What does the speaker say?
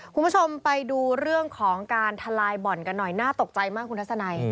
คุณผู้ชมไปดูเรื่องของการทลายบ่อนกันหน่อยน่าตกใจมากคุณทัศนัย